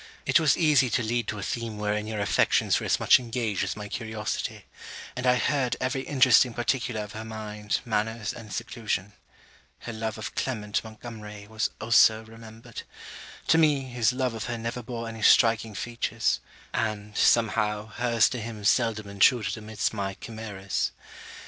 It was easy to lead to a theme wherein your affections were as much engaged as my curiosity; and I heard every interesting particular of her mind, manners, and seclusion. Her love of Clement Montgomery, was also remembered. To me, his love of her never bore any striking features; and, somehow, her's to him seldom intruded amidst my chimeras.